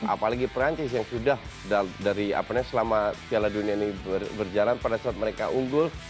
apalagi perancis yang sudah dari selama piala dunia ini berjalan pada saat mereka unggul